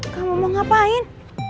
kamu mau ngapain